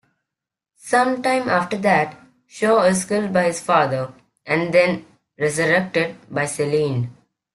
Sometime after that Shaw is killed by his father, and then resurrected by Selene.